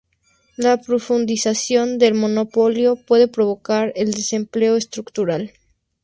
La profundización del monopolio puede provocar el desempleo estructural.